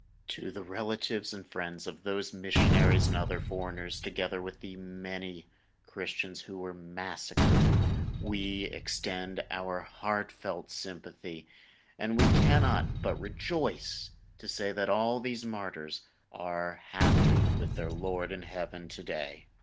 To the relatives and friends of those missionaries and other foreigners, together with the many Christians who were massacred, we extend our heartfelt sympathy, and we cannot but rejoice to say that all these martyrs are happy with their Lord in Heaven to day.